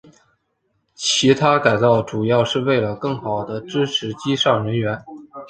其它改装主要是为了更好地支持机上人员。